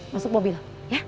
masuk mobil ya